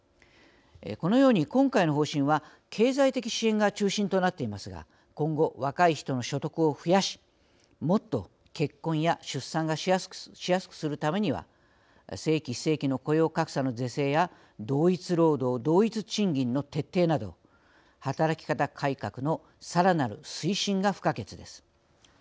このように今回の方針は経済的支援が中心となっていますが今後若い人の所得を増やしもっと結婚や出産がしやすくするためには正規・非正規の雇用格差の是正や同一労働・同一賃金の徹底など働き方改革のさらなる推進が不可欠です。